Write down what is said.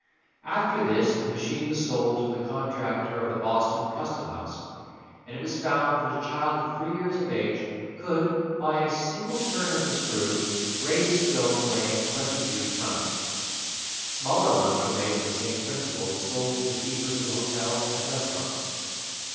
After this, the machine was sold to the contractor of the Boston Custom House, and it was found that a child of three years of age could, by a single turn of the screw, raise a stone weighing twenty three tons. Smaller ones were made on the same principle and sold to the keepers of hotels and restaurants.